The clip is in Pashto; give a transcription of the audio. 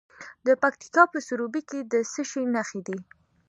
د پکتیکا په سروبي کې د څه شي نښې دي؟